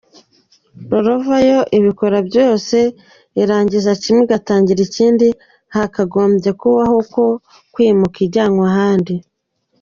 Rollover yo ibikora byose ,irangiza kimwe igatangira ikindi hatagombye kubaho uko kwimuka ijyanwa ahandi.